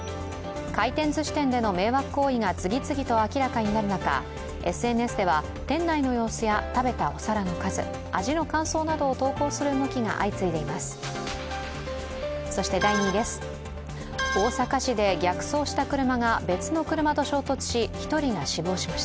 回転ずし店での迷惑行為が次々と明らかになる中、ＳＮＳでは店内の様子や食べたお皿の数、味の感想などを投稿する動きが相次いでいます。